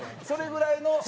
それぐらいの。